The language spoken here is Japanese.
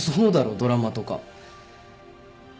ドラマとか。